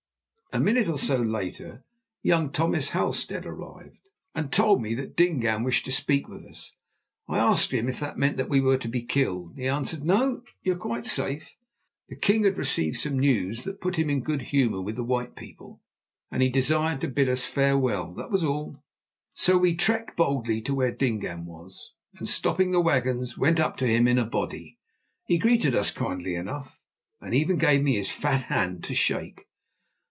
A minute or so later young Thomas Halstead arrived and told me that Dingaan wished to speak with us. I asked him if that meant that we were to be killed. He answered, "No, you are quite safe." The king had received some news that had put him in a good humour with the white people, and he desired to bid us farewell, that was all. So we trekked boldly to where Dingaan was, and, stopping the wagons, went up to him in a body. He greeted us kindly enough, and even gave me his fat hand to shake.